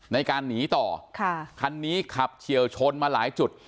ในการหนีต่อค่ะคันนี้ขับเฉียวชนมาหลายจุด